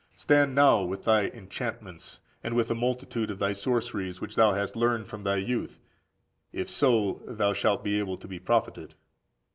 Stand now with thy enchantments, and with the multitude of thy sorceries, which thou hast learned from thy youth; if so be thou shalt be able to be profited.